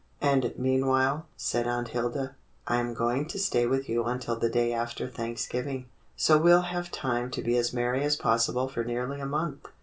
"And meanwhile," said Aunt Hilda, "I am going to stay with you until the day after Thanksgiving, so we '11 have time to be as merry as possible for nearly a month.